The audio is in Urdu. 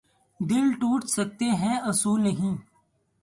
دل توڑ سکتے ہیں اصول نہیں